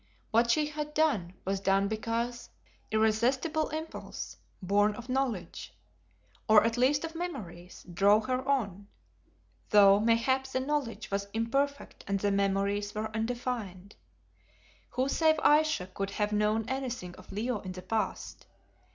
What she had done was done because irresistible impulse, born of knowledge, or at least of memories, drove her on, though mayhap the knowledge was imperfect and the memories were undefined. Who save Ayesha could have known anything of Leo in the past?